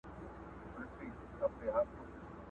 قاضي وکړه فيصله چي دى په دار سي.!